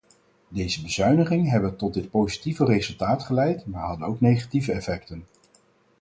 Deze bezuinigingen hebben tot dit positieve resultaat geleid maar hadden ook negatieve effecten.